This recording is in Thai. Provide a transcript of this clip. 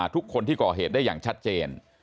ทุกคนที่ก่อเหตุได้อย่างชัดเจน